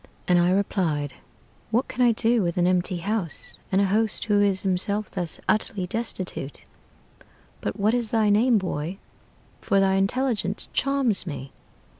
"And I replied, 'What can I do with an empty house, And a host who is himself thus utterly destitute? But what is thy name, boy? for thy intelligence charms me.'